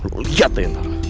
lo liat ya ntar